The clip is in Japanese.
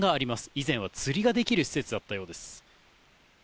以前は釣りができる施設だったようです。